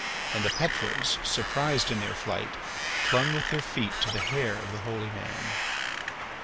And the petrels, surprised in their flight, clung with their feet to the hair of the holy man.